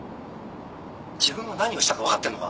自分が何をしたか分かってんのか？